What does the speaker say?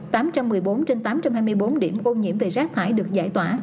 tám trăm một mươi bốn trên tám trăm hai mươi bốn điểm ô nhiễm về rác thải được giải tỏa